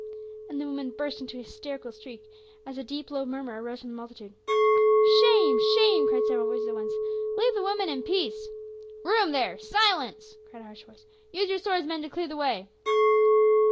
and the woman burst into a hysterical shriek as a deep low murmur arose from the multitude. "Shame! Shame!" cried several voices at once. "Leave the women in peace!" "Room there! Silence!" cried a harsh voice. "Use your swords, men, to clear the way!"